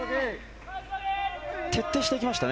徹底していきましたね。